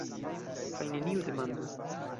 Kaj neniu demandu.